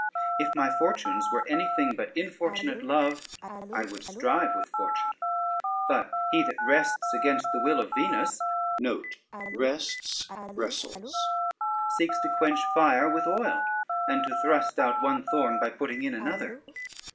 If my fortunes were anything but infortunate love, I would strive with fortune: but he that wrests against the will of Venus, seeks to quench fire with oil, and to thrust out one thorn by putting in another.